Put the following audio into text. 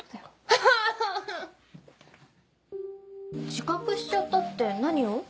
ハハハハ！自覚しちゃったって何を？